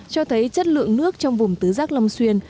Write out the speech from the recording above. cho thấy chất lượng nước trong vùng tứ giác long xuyên